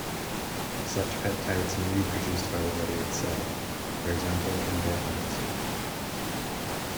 Such peptides may be produced by the body itself, for example endorphins.